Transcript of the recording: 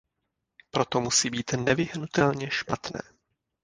Proto musí být nevyhnutelně špatné.